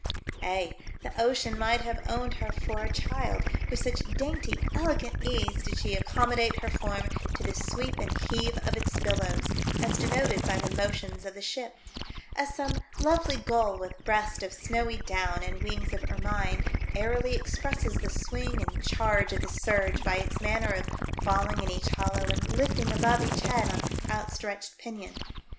Ay, the ocean might have owned her for a child, with such dainty, elegant ease did she accommodate her form to the sweep and heave of its billows, as denoted by the motions of the ship ; as some lovely gull with breast of snowy down and wings of ermine airily expresses the swing and charge of the surge by its manner of falling in each hollow and lifting above each head on outstretched pinion.